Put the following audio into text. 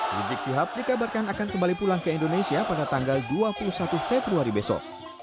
rizik sihab dikabarkan akan kembali pulang ke indonesia pada tanggal dua puluh satu februari besok